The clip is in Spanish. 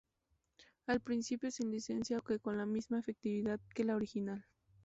En principio sin licencia, aunque con la misma efectividad que la original.